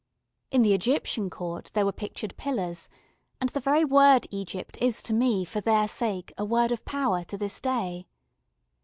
In the Egyptian Court there were pictured pillars, and the very word Egypt is to me for their sake a Word of Power to this day.